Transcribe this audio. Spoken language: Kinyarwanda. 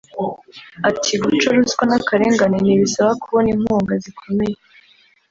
Ati“Guca ruswa n’akarengane ntibisaba kubona inkunga zikomeye